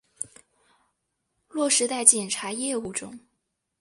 落实在检察业务中